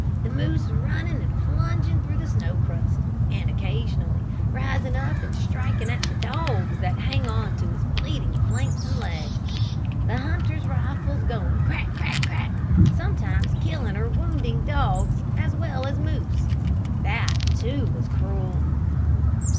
The moose running and plunging through the snow crust, and occasionally rising up and striking at the dogs that hang on to his bleeding flanks and legs. The hunters' rifles going crack, crack, crack, sometimes killing or wounding dogs as well as moose. That, too, was cruel.